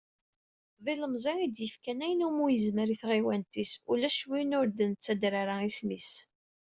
D ilmeẓi, i d-yefkan ayen iwumi yezmer i tɣiwant-is, ulac win ur d-nettader ara isem-is.